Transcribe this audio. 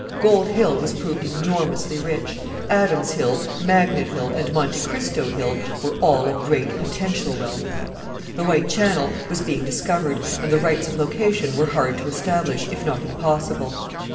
Gold Hill was proved enormously rich, Adams Hill, Magnet Hill, and Monte Cristo Hill were all of great potential wealth. The White Channel was being discovered, and the rights of location were hard to establish, if not impossible.